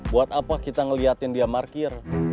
buat apa kita ngeliatin dia markir